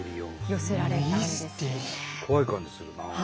怖い感じするなあ。